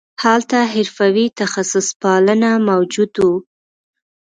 هلته حرفوي تخصص پالنه موجود وو